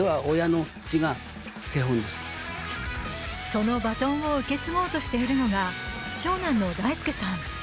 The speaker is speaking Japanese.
そのバトンを受け継ごうとしているのが長男の大輔さん